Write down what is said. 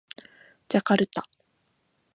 ジャカルタ